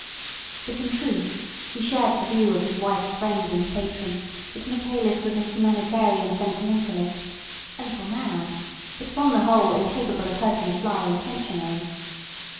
But, in truth, he shared the view of his wife's friend and patron that Michaelis was a humanitarian sentimentalist, a little mad, but upon the whole incapable of hurting a fly intentionally.